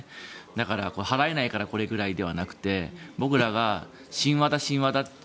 だから、払えないからこれくらいではなくて僕らが、神話だ神話だと